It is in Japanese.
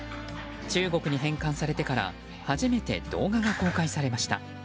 中国に返還されてから初めて動画が公開されました。